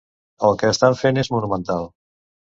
El que estan fent és monumental.